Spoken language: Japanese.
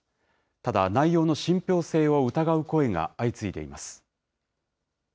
ただ、内容の信ぴょう性を疑う声が相次いでいます。